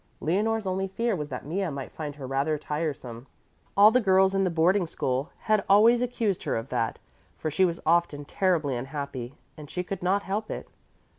Leonore's only fear was that Mea might find her rather tiresome. All the girls in the boarding school had always accused her of that, for she was often terribly unhappy, and she could not help it.